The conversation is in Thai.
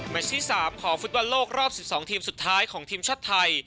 แม็ชที่สามของฟุตบอลโลกรอบสิบสองทีมสุดท้ายของทีมชาวไทย